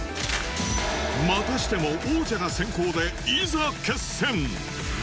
またしても王者が先攻でいざ決戦！